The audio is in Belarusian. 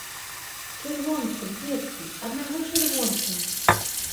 Чырвонца, дзеткі, аднаго чырвонца!